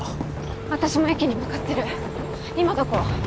私も駅に向かってる今どこ？